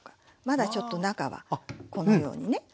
まだちょっと中はこのようにね。